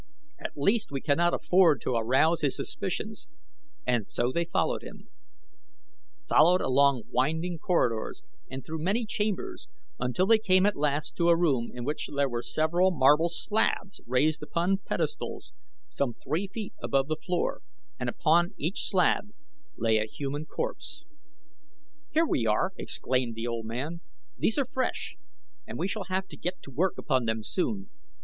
At least we cannot afford to arouse his suspicions"; and so they followed him followed along winding corridors and through many chambers, until they came at last to a room in which there were several marble slabs raised upon pedestals some three feet above the floor and upon each slab lay a human corpse. "Here we are," exclaimed the old man. "These are fresh and we shall have to get to work upon them soon.